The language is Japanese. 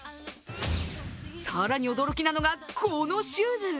更に驚きなのがこのシューズ。